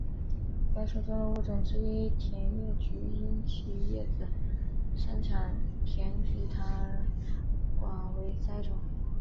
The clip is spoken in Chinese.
本属中的物种之一甜叶菊因其叶子生产甜菊糖而广为栽种。